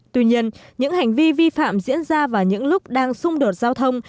tuy nhiên những hành vi vi phạm diễn ra vào những lúc đang xung đột giao thông